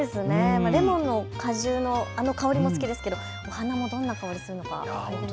レモンの果汁のあの香りも好きですけどお花もどんな香りがするのか。